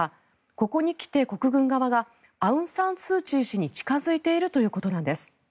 ここに来て国軍側がアウンサンスーチー氏に近付いているということなんです。